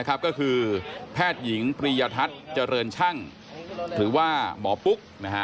ก็คือแพทย์หญิงปรียทัศน์เจริญช่างหรือว่าหมอปุ๊ก